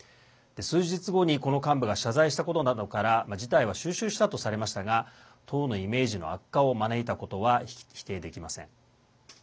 数日後にこの幹部が謝罪したことなどから事態は収拾したとされましたが党のイメージの悪化を招いたことは否定できません。